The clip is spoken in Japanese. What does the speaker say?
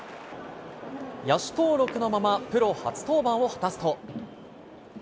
野手登録のまま、プロ初登板を果たすと。